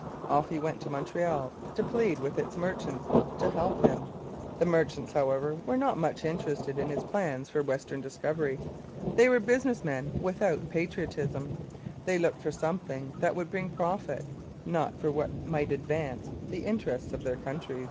Off he went to Montreal, to plead with its merchants to help him. The merchants, however, were not much interested in his plans for western discovery. They were business men without patriotism; they looked for something that would bring profit, not for what might advance the interests of their country.